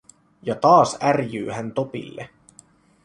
Ja taas ärjyy hän Topille.